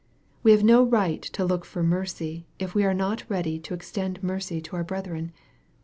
We have no right to look for mercy, if we are not ready to extend mercy to our brethren.